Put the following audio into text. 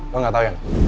lo gak tau ya m